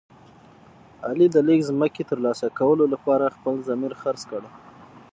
علي د لږ ځمکې تر لاسه کولو لپاره خپل ضمیر خرڅ کړ.